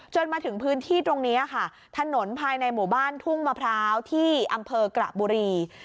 มาถึงพื้นที่ตรงนี้ค่ะถนนภายในหมู่บ้านทุ่งมะพร้าวที่อำเภอกระบุรี